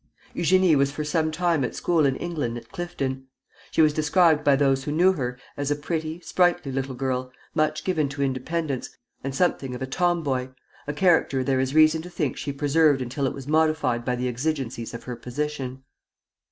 Eugénie was for some time at school in England at Clifton. She was described by those who knew her there as a pretty, sprightly little girl, much given to independence, and something of a tom boy, a character there is reason to think she preserved until it was modified by the exigencies of her position.